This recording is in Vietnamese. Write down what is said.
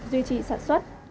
duy trì sản xuất